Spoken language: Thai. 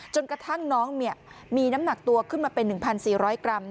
จนกระทั่งน้องเนี่ยมีน้ำหนักตัวขึ้นมาเป็นหนึ่งพันสี่ร้อยกรัม